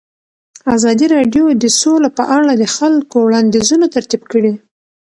ازادي راډیو د سوله په اړه د خلکو وړاندیزونه ترتیب کړي.